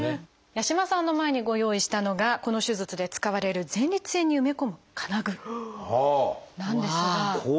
八嶋さんの前にご用意したのがこの手術で使われる前立腺に埋め込む金具なんですが。